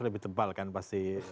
lebih tebal kan pasti